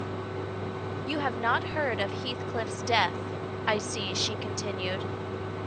'You have not heard of Heathcliff’s death, I see,’ she continued.